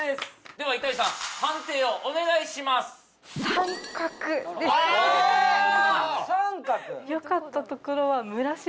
では板井さん判定をお願いします△ですいやすごい！